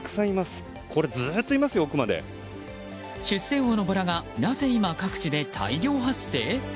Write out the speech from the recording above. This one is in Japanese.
出世魚のボラがなぜ今、各地で大量発生？